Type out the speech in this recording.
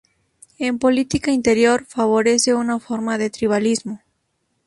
En política interior, favorece una forma de tribalismo.